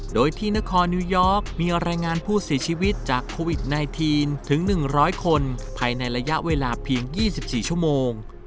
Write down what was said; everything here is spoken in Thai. โดยที่นครนิวยอร์กมีรายงานผู้เสียชีวิตจากโควิด๑๙ถึง๑๐๐คนภายในระยะเวลาเพียง๒๔ชั่วโมง